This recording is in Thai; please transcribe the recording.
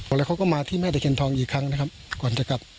แล้วเขาก็มาที่แม่ตะเคียนทองอีกครั้งนะครับก่อนจะกลับ